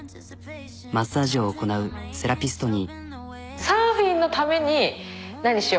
マッサージを行なうセラピストに。